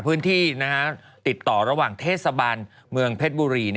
พื้นที่ติดต่อระหว่างเทศบาลเมืองเพชรบุรี